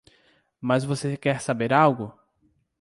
Mas você quer saber algo?